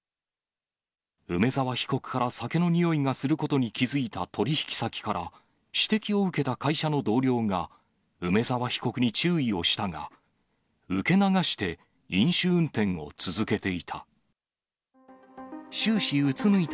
梅沢被告から酒のにおいがすることに気付いた取り引き先から、指摘を受けた会社の同僚が、梅沢被告に注意をしたが、受け流して飲酒運転を続けていた。